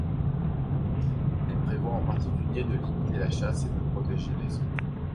Elle prévoit en particulier de limiter la chasse et de protéger les œufs.